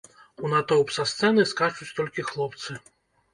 У натоўп са сцэны скачуць толькі хлопцы.